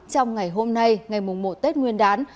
trong ngày hôm nay ngày mùng một tết nguyên đán